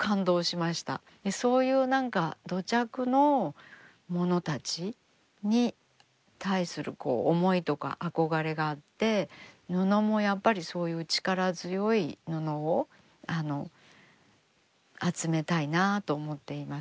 そういう何か土着のものたちに対する思いとか憧れがあって布もやっぱりそういう力強い布を集めたいなと思っています。